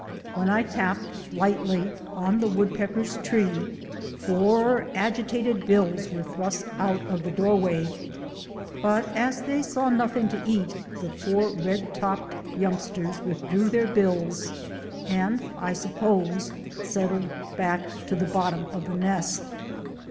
When I tapped lightly on the woodpeckers' tree four agitated bills were thrust out of the doorway. But as they saw nothing to eat the four red topped youngsters withdrew their bills and, I suppose, settled back to the bottom of the nest.